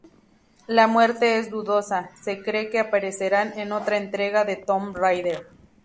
La muerte es dudosa, se cree que aparecerán en otra entrega de Tomb Raider.